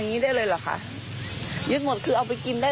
ของเค้าเค้าจะเอาไปขายต่อ